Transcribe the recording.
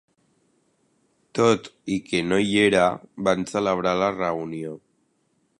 Tot i que no hi era, van celebrar la reunió.